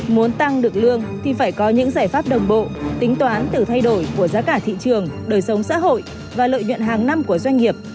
muốn tăng được lương thì phải có những giải pháp đồng bộ tính toán từ thay đổi của giá cả thị trường đời sống xã hội và lợi nhuận hàng năm của doanh nghiệp